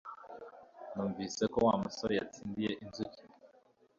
Numvise ko Wa musore yatsindiye inzuki